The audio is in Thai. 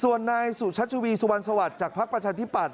ส่วนนายสุชัชวีสุวรรณสวัสดิ์จากภักดิ์ประชาธิปัตย